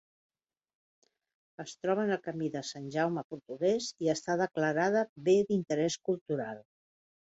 Es troba en el Camí de Sant Jaume portuguès i està declarada bé d'interès cultural.